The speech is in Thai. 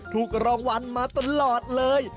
ถูกรางวัลมาตลอดเลย